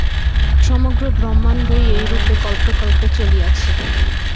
সমগ্র ব্রহ্মাণ্ডই এইরূপে কল্পে কল্পে চলিয়াছে।